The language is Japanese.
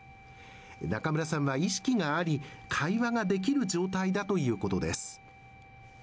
中村さんは意識があり会話ができる状態だということです。